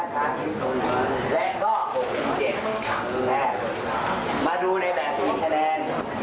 มาดูในแบบนี้แค่แนน